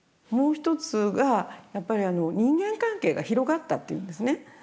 もう一つがやっぱり人間関係が広がったって言うんですね。